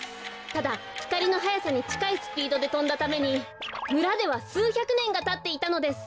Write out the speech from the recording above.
ただひかりのはやさにちかいスピードでとんだためにむらではすうひゃくねんがたっていたのです。